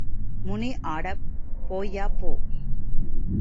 முனி அட போய்யா போ.